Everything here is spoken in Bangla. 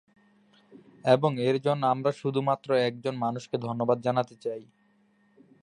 এবং এর জন্য আমরা শুধুমাত্র একজন মানুষকে ধন্যবাদ জানাতে চাই।